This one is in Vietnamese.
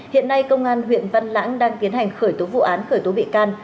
hiện nay công an huyện văn lãng đang tiến hành khởi tố vụ án khởi tố bị can